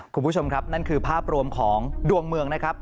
คุณผู้ชมครับนั่นคือภาพรวมของดวงเมืองนะครับ